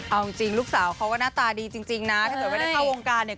เอาจริงลูกสาวเขาก็หน้าตาดีจริงนะถ้าเกิดไม่ได้เข้าวงการเนี่ย